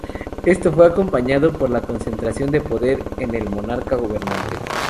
Esto fue acompañado por la concentración de poder en el monarca gobernante.